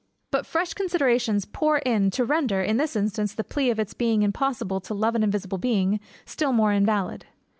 BUT fresh considerations pour in to render in this instance, the plea of its being impossible to love an invisible being, still more invalid.